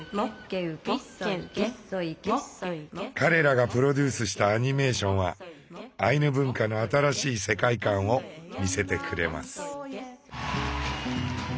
彼らがプロデュースしたアニメーションはアイヌ文化の新しい世界観を見せてくれます。